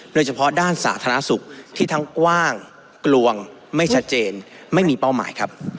โดยเฉพาะด้านสาธารณสุขที่ทั้งกว้างกลวงไม่ชัดเจนไม่มีเป้าหมายครับ